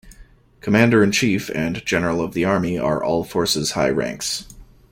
Commander in Chief and General of the Army are all-forces high ranks.